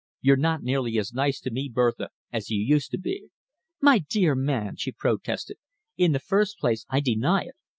You're not nearly as nice to me, Bertha, as you used to be." "My dear man," she protested, "in the first place I deny it.